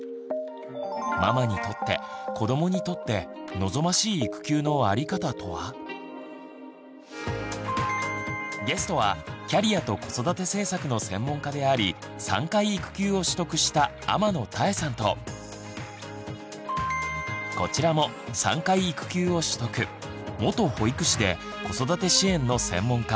ママにとって子どもにとってゲストはキャリアと子育て政策の専門家であり３回育休を取得した天野妙さんとこちらも３回育休を取得元保育士で子育て支援の専門家